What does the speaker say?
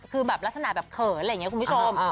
คือแบบลักษณะแบบเขินอะไรอย่างนี้คุณผู้ชม